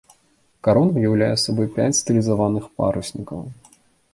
Карона ўяўляе сабой пяць стылізаваных паруснікаў.